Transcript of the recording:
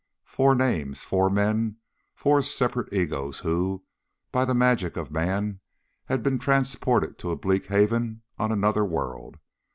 Four names, four men, four separate egos who, by the magic of man, had been transported to a bleak haven on another world.